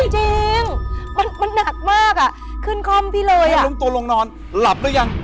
จริงมันมันหนักมากอ่ะขึ้นคล่อมพี่เลยอ่ะล้มตัวลงนอนหลับหรือยัง